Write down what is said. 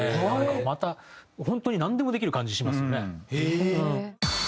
また本当になんでもできる感じしますよね。